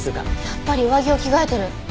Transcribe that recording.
やっぱり上着を着替えてる。